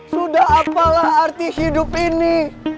sudah apalah arti hidup ini